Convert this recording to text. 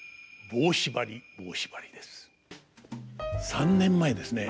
３年前ですね